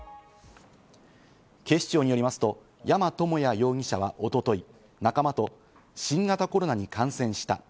警視庁によりますと、山智也容疑者は一昨日、仲間と新型コロナに感染した。